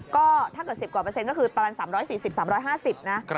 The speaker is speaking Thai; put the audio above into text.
ก็ถ้าเกิด๑๐กว่าเปอร์เซ็นต์ก็คือประมาณ๓๔๐๓๕๐นะ